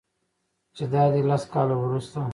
چې دادی لس کاله وروسته